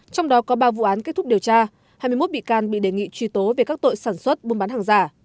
trong đó có ba vụ án kết thúc điều tra hai mươi một bị can bị đề nghị truy tố về các tội sản xuất buôn bán hàng giả